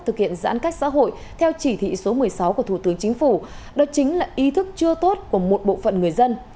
thực hiện giãn cách xã hội theo chỉ thị số một mươi sáu của thủ tướng chính phủ đó chính là ý thức chưa tốt của một bộ phận người dân